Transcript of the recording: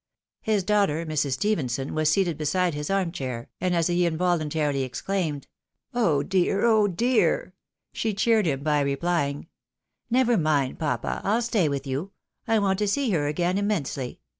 His daughter, Mrs. Stephenson, was seated beside his arm chair, and as he involuntarily exclaimed, " Oh dear ! oh dear 1 " she cheered him by replying, " Never mind, papa ! I'U stay with you ; I want to see her again immensely.